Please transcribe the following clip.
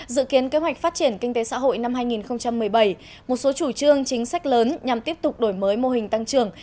dự kiến kế hoạch phát triển kinh tế xã hội năm hai nghìn một mươi bảy một số chủ trương chính sách lớn nhằm tiếp tục đổi mới mô hình tăng trưởng